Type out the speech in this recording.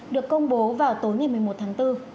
được công bố vào tối ngày một mươi một tháng bốn